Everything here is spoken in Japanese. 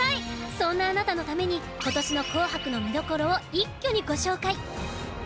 そんな、あなたのために今年の「紅白」の見どころを一挙にご紹介。